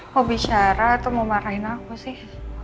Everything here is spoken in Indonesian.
mau bicara atau mau marahin aku sih